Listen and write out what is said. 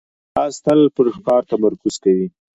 باز تل پر ښکار تمرکز کوي